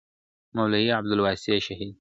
مولوي عبدالواسیع شهید